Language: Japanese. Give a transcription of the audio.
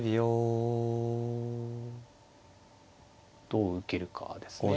どう受けるかですね。